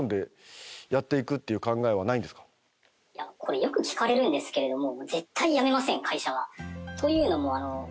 これよく聞かれるんですけれども。